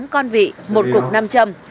tám con vị một cục nam châm